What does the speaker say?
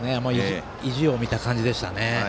意地を見た感じでしたね。